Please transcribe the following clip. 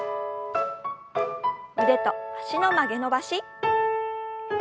腕と脚の曲げ伸ばし。